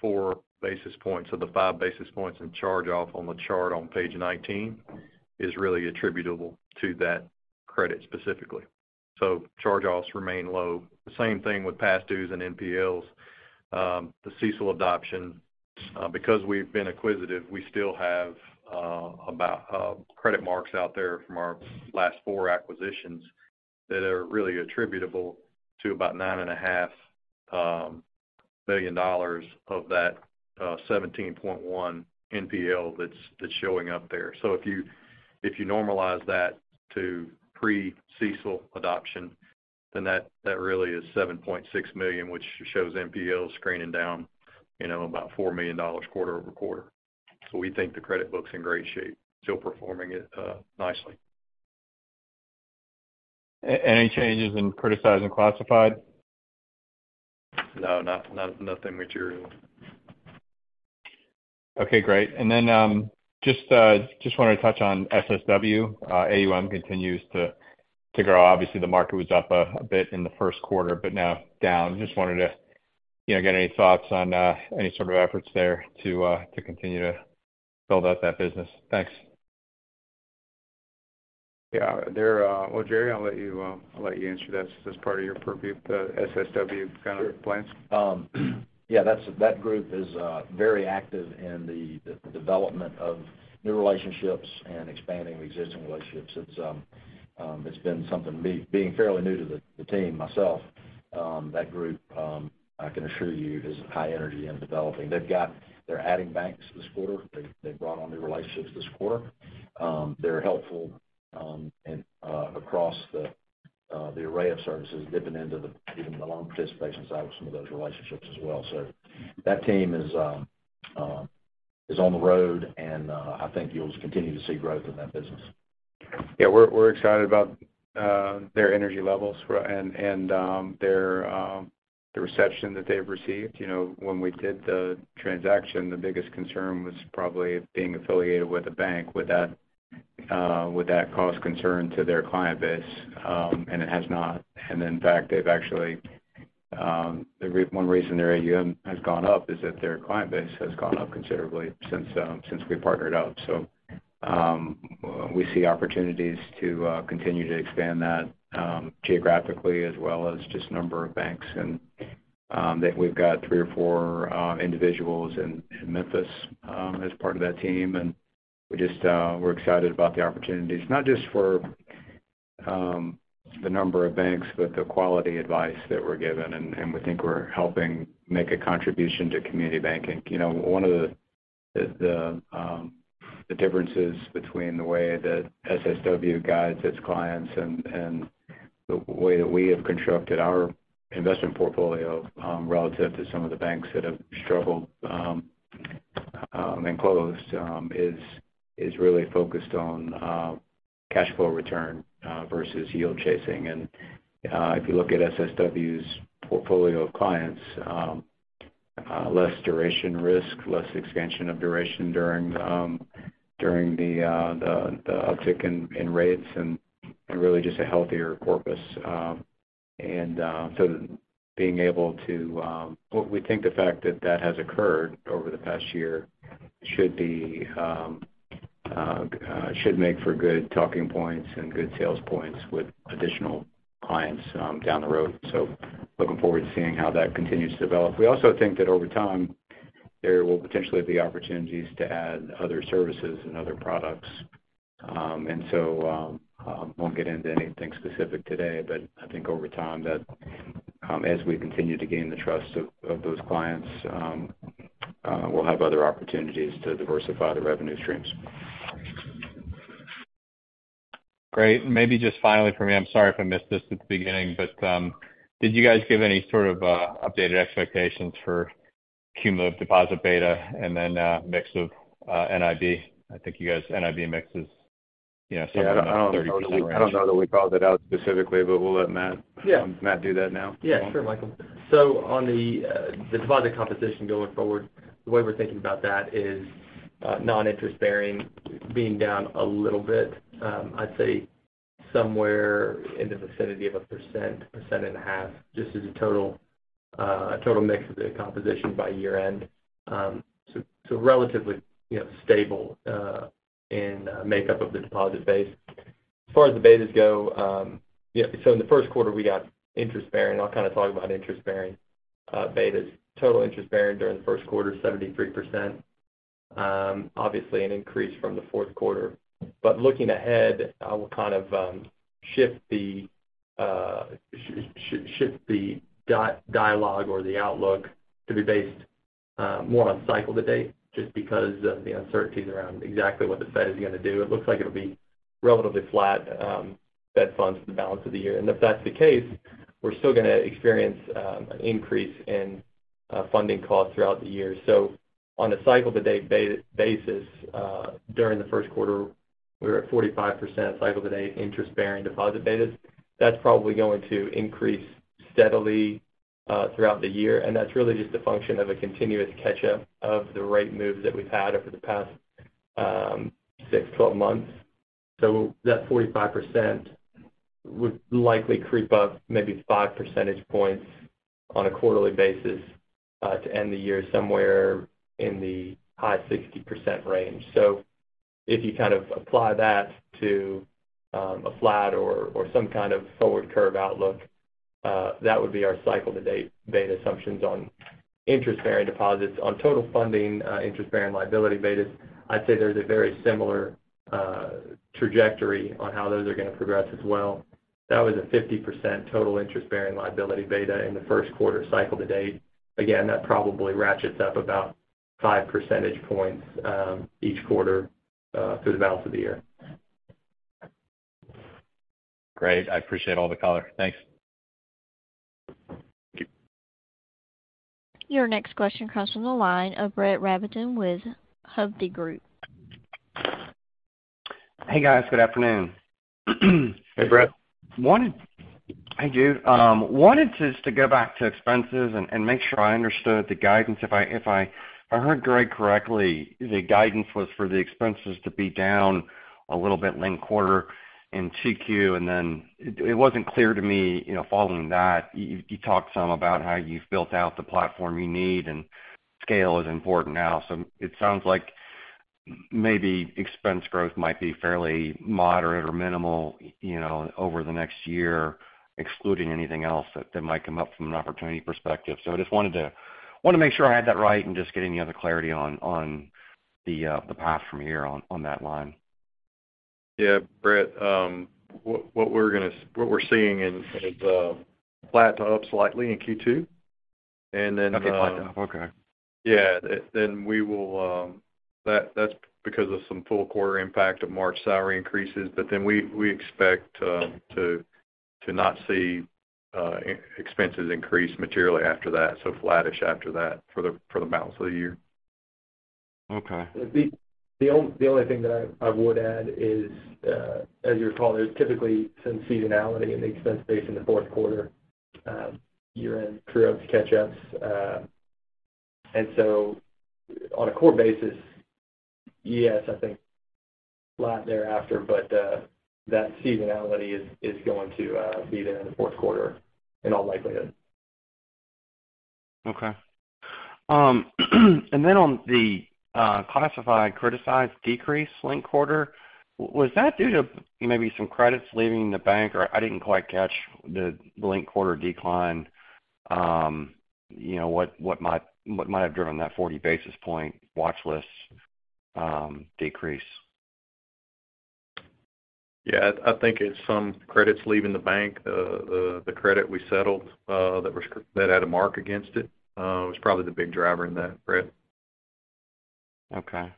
four basis points of the five basis points in charge-off on the chart on page 19 is really attributable to that credit specifically. Charge-offs remain low. The same thing with past dues and NPLs. The CECL adoption, because we've been acquisitive, we still have about credit marks out there from our last four acquisitions that are really attributable to about $9.5 billion of that $17.1 NPL that's showing up there. If you normalize that to pre-CECL adoption, then that really is $7.6 million, which shows NPL screening down, you know, about $4 million quarter-over-quarter. We think the credit book's in great shape, still performing at nicely. Any changes in criticized and classified? No, not nothing material. Okay, great. Just wanted to touch on SSW. AUM continues to grow. Obviously, the market was up a bit in the first quarter, but now down. Just wanted to, you know, get any thoughts on any sort of efforts there to continue to build out that business. Thanks. Yeah. There. Well, Jerry, I'll let you answer that. Is this part of your purview, the SSW kind of plans? Sure. Yeah, that group is very active in the development of new relationships and expanding existing relationships. It's been something being fairly new to the team myself, that group, I can assure you, is high energy in developing. They're adding banks this quarter. They've brought on new relationships this quarter. They're helpful, and across the array of services dipping into the, even the loan participation side with some of those relationships as well. That team is on the road, and I think you'll continue to see growth in that business. Yeah, we're excited about their energy levels and their the reception that they've received. You know, when we did the transaction, the biggest concern was probably being affiliated with a bank. Would that cause concern to their client base? It has not. In fact, they've actually, one reason their AUM has gone up is that their client base has gone up considerably since we partnered up. We see opportunities to continue to expand that geographically as well as just number of banks. That we've got three or four individuals in Memphis as part of that team. We just, we're excited about the opportunities, not just for the number of banks, but the quality advice that we're given. We think we're helping make a contribution to community banking. You know, one of the differences between the way that SSW guides its clients and the way that we have constructed our investment portfolio, relative to some of the banks that have struggled and closed, is really focused on cash flow return versus yield chasing. If you look at SSW's portfolio of clients, less duration risk, less expansion of duration during the uptick in rates and really just a healthier corpus. What we think the fact that that has occurred over the past year should be should make for good talking points and good sales points with additional clients down the road. Looking forward to seeing how that continues to develop. We also think that over time, there will potentially be opportunities to add other services and other products. Won't get into anything specific today, but I think over time that, as we continue to gain the trust of those clients, we'll have other opportunities to diversify the revenue streams. Great. Maybe just finally for me, I'm sorry if I missed this at the beginning, but did you guys give any sort of updated expectations for cumulative deposit beta and then mix of NIB? I think you guys NIB mix is, you know, somewhere in the 30% range. I don't know that we called it out specifically, but we'll let Matt. Yeah. Matt do that now. Yeah, sure, Michael. On the deposit composition going forward, the way we're thinking about that is non-interest bearing being down a little bit, I'd say somewhere in the vicinity of 1%, 1.5%, just as a total, a total mix of the composition by year-end. Relatively, you know, stable in makeup of the deposit base. As far as the betas go, in the first quarter we got interest bearing. I'll kind of talk about interest bearing betas. Total interest bearing during the first quarter, 73%. Obviously an increase from the fourth quarter. Looking ahead, I will kind of shift the dialogue or the outlook to be based more on cycle to date just because of the uncertainties around exactly what the Fed is gonna do. It looks like it'll be relatively flat Fed funds for the balance of the year. If that's the case, we're still gonna experience an increase in funding costs throughout the year. On a cycle to date basis, during the first quarter, we were at 45% cycle to date interest bearing deposit betas. That's probably going to increase steadily throughout the year, and that's really just a function of a continuous catch-up of the rate moves that we've had over the past six, 12 months. That 45% would likely creep up maybe five percentage points on a quarterly basis, to end the year somewhere in the high 60% range. If you kind of apply that to a flat or some kind of forward curve outlook, that would be our cycle to date beta assumptions on interest-bearing deposits. On total funding, interest-bearing liability betas, I'd say there's a very similar trajectory on how those are gonna progress as well. That was a 50% total interest-bearing liability beta in the first quarter cycle to date. Again, that probably ratchets up about five percentage points each quarter through the balance of the year. Great. I appreciate all the color. Thanks. Thank you. Your next question comes from the line of Brett Rabatin with Hovde Group. Hey, guys. Good afternoon. Hey, Brett. Hi, Jude. Wanted just to go back to expenses and make sure I understood the guidance. If I heard Greg correctly, the guidance was for the expenses to be down a little bit linked quarter in 2Q, and it wasn't clear to me, you know, following that. You talked some about how you've built out the platform you need and scale is important now. It sounds like maybe expense growth might be fairly moderate or minimal, you know, over the next year, excluding anything else that might come up from an opportunity perspective. I just wanted to make sure I had that right and just get any other clarity on the path from here on that line. Yeah. Brett, what we're seeing in, is, flat to up slightly in Q2. Okay. Flat to up. Okay. Yeah. That's because of some full quarter impact of March salary increases. We expect to not see expenses increase materially after that, flattish after that for the balance of the year. Okay. The only thing that I would add is, as you recall, there's typically some seasonality in the expense base in the fourth quarter. Year-end true ups, catch-ups. On a core basis, yes, I think flat thereafter, but that seasonality is going to be there in the fourth quarter in all likelihood. Okay. On the classified criticized decrease linked quarter, was that due to maybe some credits leaving the bank? I didn't quite catch the linked quarter decline. You know, what might have driven that 40 basis point watchlist decrease? Yeah. I think it's some credits leaving the bank. The credit we settled, that had a mark against it, was probably the big driver in that, Brett. Okay.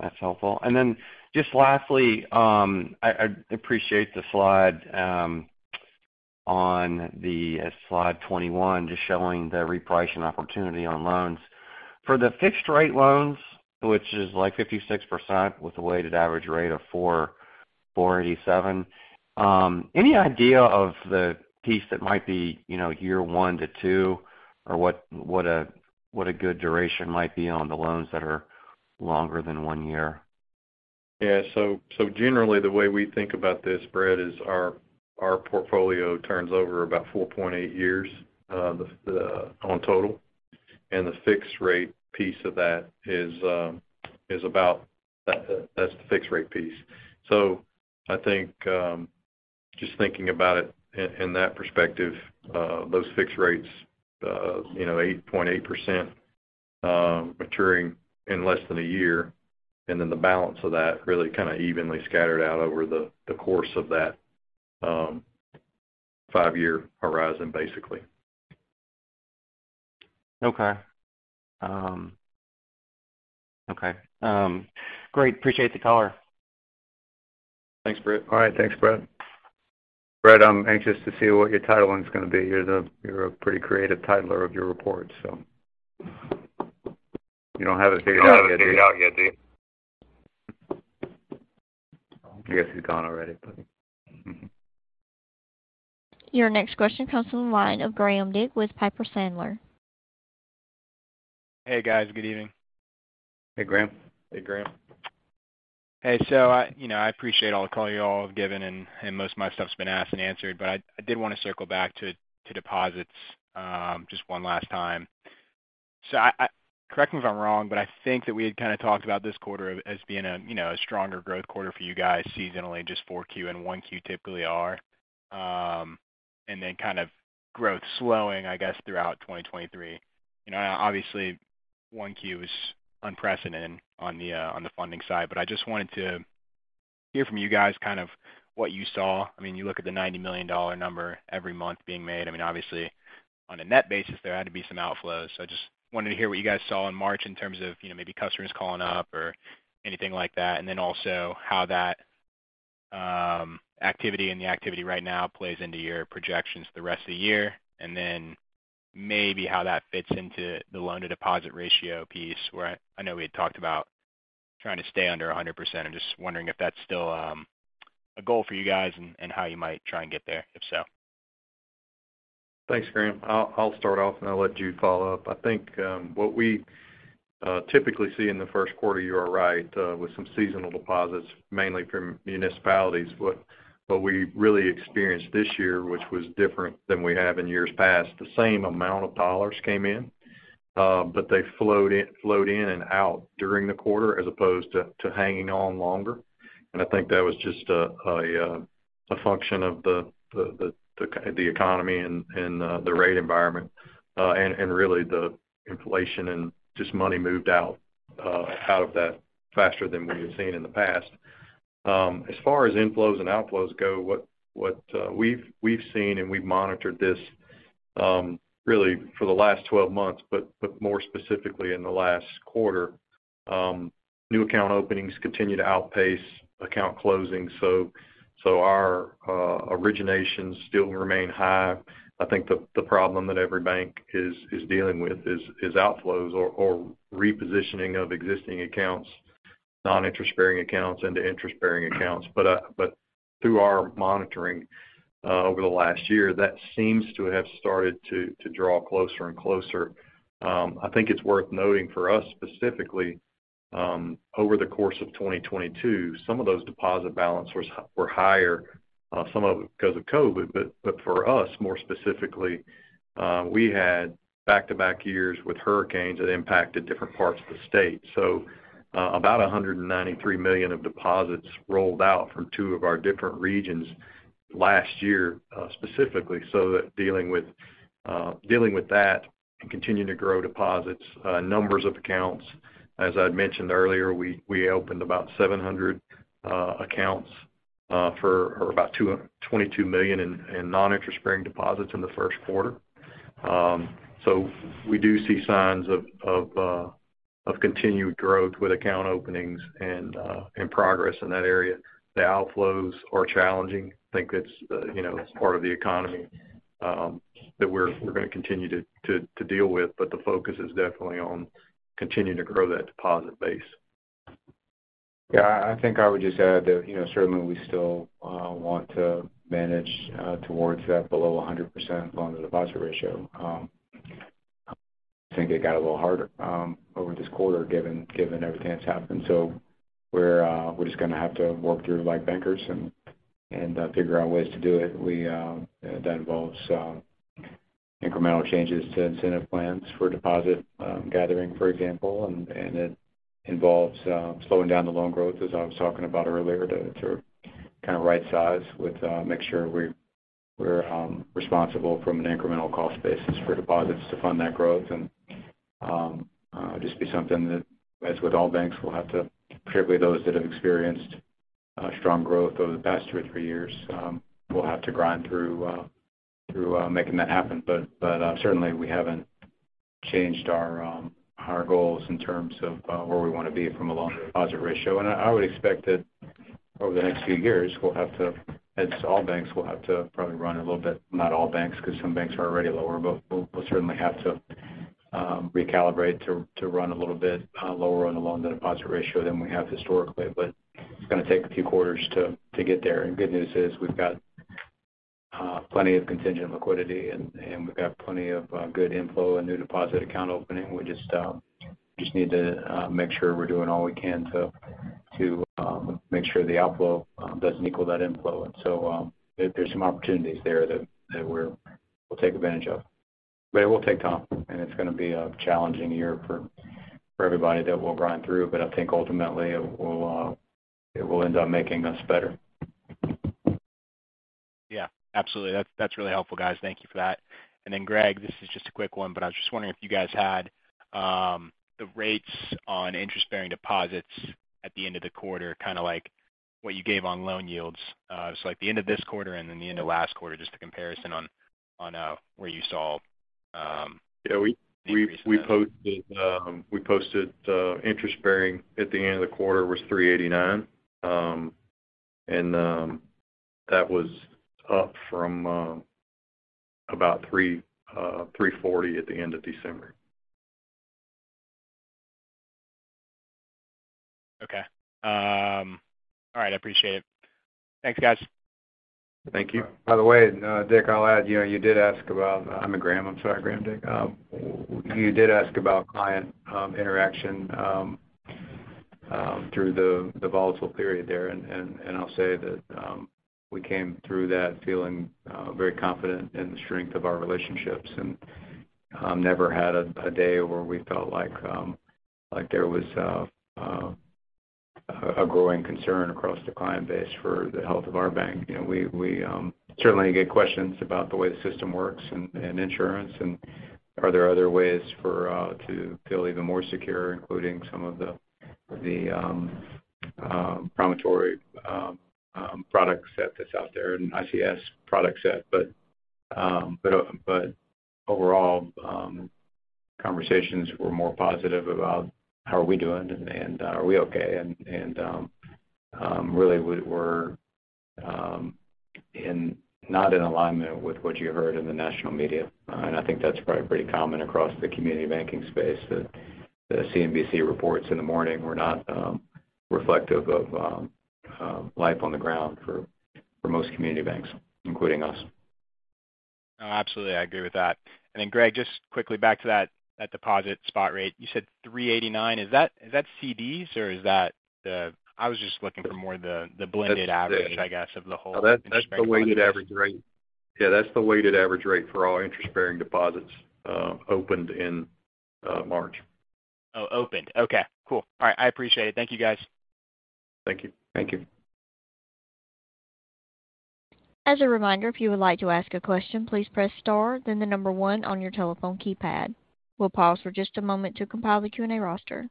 That's helpful. Just lastly, I appreciate the slide on the slide 21, just showing the repricing opportunity on loans. For the fixed rate loans, which is like 56% with a weighted average rate of 4.87%, any idea of the piece that might be, you know, year one-two or what a good duration might be on the loans that are longer than one year? Generally, the way we think about this, Brett, is our portfolio turns over about 4.8 years, the on total, and the fixed rate piece of that is that's the fixed rate piece. I think, just thinking about it in that perspective, those fixed rates, you know, 8.8%, maturing in less than a year, and then the balance of that really kind of evenly scattered out over the course of that five-year horizon, basically. Okay. Okay. Great. Appreciate the color. Thanks, Brett. All right. Thanks, Brett. Brett, I'm anxious to see what your titling is going to be. You're a pretty creative titler of your reports, so. You don't have it figured out yet, do you? You don't have it figured out yet, do you? I guess he's gone already. Your next question comes from the line of Graham Dick with Piper Sandler. Hey, guys. Good evening. Hey, Graham. Hey, Graham. I, you know, I appreciate all the color you all have given, and most of my stuff's been asked and answered, I did want to circle back to deposits just one last time. I, correct me if I'm wrong, I think that we had kind of talked about this quarter as being a, you know, a stronger growth quarter for you guys seasonally, just four Q and one Q typically are. Kind of growth slowing, I guess, throughout 2023. You know, obviously, one Q is unprecedented on the funding side. I just wanted to hear from you guys kind of what you saw. I mean, you look at the $90 million number every month being made. I mean, obviously, on a net basis, there had to be some outflows. I just wanted to hear what you guys saw in March in terms of, you know, maybe customers calling up or anything like that. Also how that activity and the activity right now plays into your projections for the rest of the year. Maybe how that fits into the loan to deposit ratio piece, where I know we had talked about trying to stay under 100%. I'm just wondering if that's still a goal for you guys and how you might try and get there, if so. Thanks, Graham. I'll start off, and I'll let Jude follow up. I think what we typically see in the first quarter, you are right, with some seasonal deposits, mainly from municipalities. What we really experienced this year, which was different than we have in years past, the same amount of dollars came in, but they flowed in and out during the quarter as opposed to hanging on longer. I think that was just a function of the economy and the rate environment and really the inflation and just money moved out of that faster than we had seen in the past. As far as inflows and outflows go, what we've seen and we've monitored this, really for the last 12 months, more specifically in the last quarter, new account openings continue to outpace account closing. Our originations still remain high. I think the problem that every bank is dealing with is outflows or repositioning of existing accounts, non-interest-bearing accounts into interest-bearing accounts. Through our monitoring over the last year, that seems to have started to draw closer and closer. I think it's worth noting for us specifically, over the course of 2022, some of those deposit balance were higher, some of it because of COVID. For us, more specifically, we had back-to-back years with hurricanes that impacted different parts of the state. About $193 million of deposits rolled out from two of our different regions last year, specifically. Dealing with that and continuing to grow deposits, numbers of accounts, as I'd mentioned earlier, we opened about 700 accounts for about $22 million in non-interest-bearing deposits in the first quarter. We do see signs of continued growth with account openings and progress in that area. The outflows are challenging. I think that's, you know, it's part of the economy that we're going to continue to deal with. The focus is definitely on continuing to grow that deposit base. Yeah. I think I would just add that, you know, certainly we still want to manage towards that below 100% loan to deposit ratio. I think it got a little harder over this quarter, given everything that's happened. We're just gonna have to work through it like bankers and figure out ways to do it. We that involves incremental changes to incentive plans for deposit gathering, for example. It involves slowing down the loan growth, as I was talking about earlier, to kind of right size with make sure we're responsible from an incremental cost basis for deposits to fund that growth. Just be something that, as with all banks, we'll have to, particularly those that have experienced strong growth over the past two or three years, we'll have to grind through making that happen. Certainly we haven't changed our goals in terms of where we want to be from a loan-to-deposit ratio. I would expect that over the next few years, we'll have to, as all banks, we'll have to probably run a little bit, not all banks, because some banks are already lower, but we'll certainly have to recalibrate to run a little bit lower on the loan-to-deposit ratio than we have historically. It's going to take a few quarters to get there. Good news is we've got plenty of contingent liquidity and we've got plenty of good inflow and new deposit account opening. We just need to make sure we're doing all we can to make sure the outflow doesn't equal that inflow. There, there's some opportunities there that we'll take advantage of. It will take time, and it's gonna be a challenging year for everybody that we'll run through. I think ultimately, it will, it will end up making us better. Yeah, absolutely. That's really helpful, guys. Thank you for that. Greg, this is just a quick one, but I was just wondering if you guys had the rates on interest-bearing deposits at the end of the quarter, kinda like what you gave on loan yields. Like the end of this quarter and then the end of last quarter, just a comparison on, where you saw. Yeah. increase in that. We posted interest-bearing at the end of the quarter was $389. That was up from about $340 at the end of December. Okay. All right, I appreciate it. Thanks, guys. Thank you. By the way, Dick, I'll add, you know, you did ask about... I mean, Graham. I'm sorry. Graham Dick. You did ask about client interaction through the volatile period there. I'll say that we came through that feeling very confident in the strength of our relationships. Never had a day where we felt like there was a growing concern across the client base for the health of our bank. You know, we certainly get questions about the way the system works and insurance and are there other ways to feel even more secure, including some of the Promontory product set that's out there and ICS product set. Overall, conversations were more positive about how are we doing and are we okay? Really we're not in alignment with what you heard in the national media. I think that's probably pretty common across the community banking space, that the CNBC reports in the morning were not reflective of life on the ground for most community banks, including us. No, absolutely. I agree with that. Greg, just quickly back to that deposit spot rate. You said 389. Is that CDs or is that the. I was just looking for more the blended average, I guess, of the whole interest-bearing deposits. No, that's the weighted average rate. Yeah, that's the weighted average rate for all interest-bearing deposits, opened in March. Oh, opened. Okay, cool. All right, I appreciate it. Thank you, guys. Thank you. Thank you. As a reminder, if you would like to ask a question, please press star then the number one on your telephone keypad. We'll pause for just a moment to compile the Q&A roster.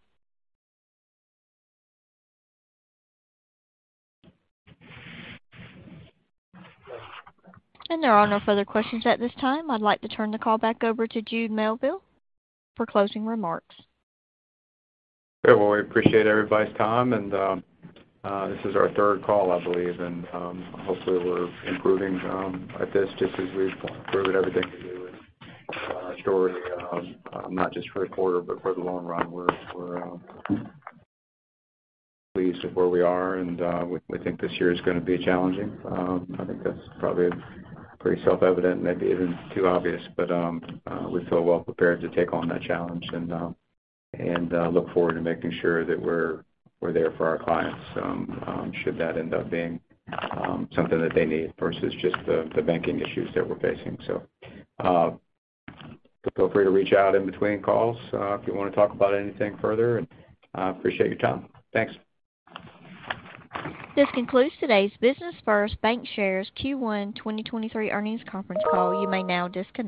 There are no further questions at this time. I'd like to turn the call back over to Jude Melville for closing remarks. Okay. Well, we appreciate everybody's time and this is our third call, I believe, and hopefully we're improving at this just as we've improved everything to do with our story, not just for a quarter but for the long run. We're pleased with where we are and we think this year is gonna be challenging. I think that's probably pretty self-evident, maybe even too obvious, but we feel well prepared to take on that challenge and look forward to making sure that we're there for our clients should that end up being something that they need versus just the banking issues that we're facing. Feel free to reach out in between calls if you wanna talk about anything further, and I appreciate your time. Thanks. This concludes today's Business First Bancshares Q1 2023 Earnings Conference Call. You may now disconnect.